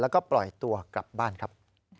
แล้วก็ปล่อยตัวกลับบ้านครับ